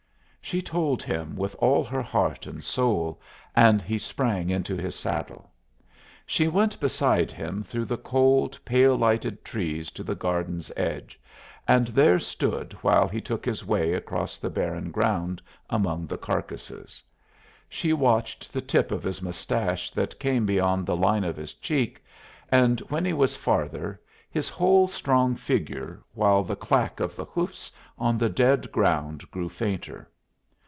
She told him with all her heart and soul, and he sprang into his saddle. She went beside him through the cold, pale lighted trees to the garden's edge, and there stood while he took his way across the barren ground among the carcasses. She watched the tip of his mustache that came beyond the line of his cheek, and when he was farther, his whole strong figure, while the clack of the hoofs on the dead ground grew fainter.